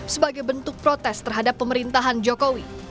sebagai bentuk protes terhadap pemerintahan jokowi